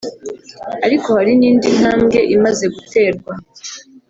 ariko hari n’indi ntambwe imaze guterwa